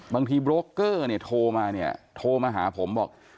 บางทีโบรกเกอร์โทรมาเนี่ยโทรมาหาผมบอก